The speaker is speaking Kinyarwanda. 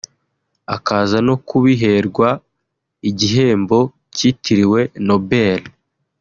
akaza no kubiherwa igihembo cyitiriwe Nobel